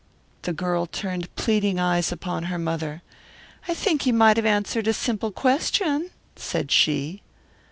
The girl turned pleading eyes upon her mother. "I think he might have answered a simple question," said she.